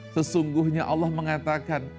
sesungguhnya allah mengatakan